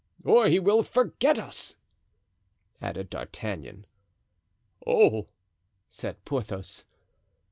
"Or he will forget us," added D'Artagnan. "Oh!" said Porthos.